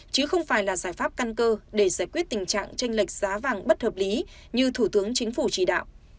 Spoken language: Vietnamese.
chứ không phải là giải pháp căn cơ để giải quyết tình trạng tranh lệch giá vàng bất hợp lý như thủ tướng chính phủ chỉ đạo